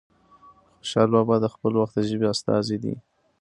خوشال بابا د خپل وخت د ژبې استازی دی.